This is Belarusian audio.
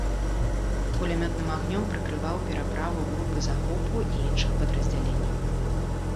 Кулямётным агнём прыкрываў пераправу групы захопу і іншых падраздзяленняў.